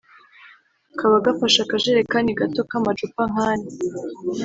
kaba gafashe akajerikani gato k’amacupa nk’ane